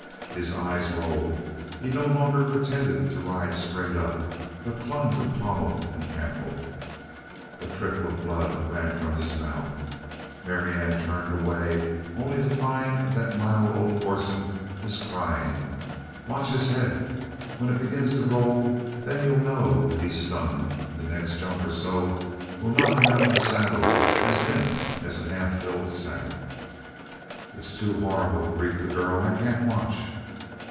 His eyes rolled. He no longer pretended to ride straight up, but clung to pommel and cantle. A trickle of blood ran from his mouth. Marianne turned away only to find that mild old Corson was crying: "Watch his head! When it begins to roll then you know that he's stunned and the next jump or so will knock him out of the saddle as limp as a half filled sack." "It's too horrible!" breathed the girl. "I can't watch!"